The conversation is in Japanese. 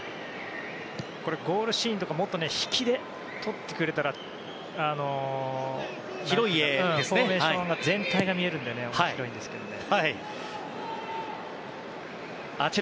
ゴールシーンとかもっと引きで撮ってくれたらフォーメーション全体が見えるので面白いんですけどね。